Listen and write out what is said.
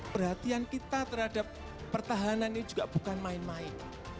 perhatian kita terhadap pertahanan ini juga bukan main main